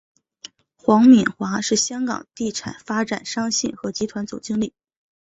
黄敏华是香港地产发展商信和集团总经理。